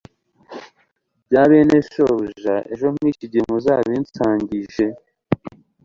bya bene shobuja ejo nk iki gihe muzabinsangishe i